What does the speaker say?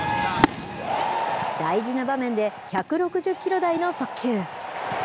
大事な場面で１６０キロ台の速球。